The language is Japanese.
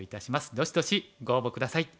どしどしご応募下さい。